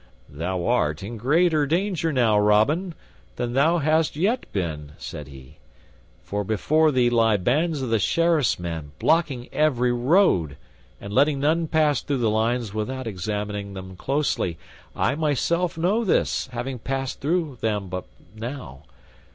"Thou art in greater danger now, Robin, than thou hast yet been," said he, "for before thee lie bands of the Sheriff's men blocking every road and letting none pass through the lines without examining them closely. I myself know this, having passed them but now.